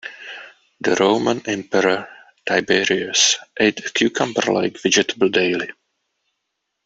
The Roman emperor Tiberius ate a cucumber-like vegetable daily.